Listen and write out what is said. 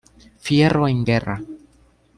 Fierro en Guerra".